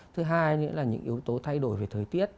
thứ hai nữa là những yếu tố thay đổi về thời tiết